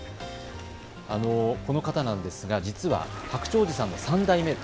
この方なんですが白鳥おじさん３代目。